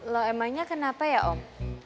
lo emangnya kenapa ya om